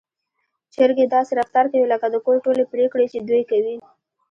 چرګې داسې رفتار کوي لکه د کور ټولې پرېکړې چې دوی کوي.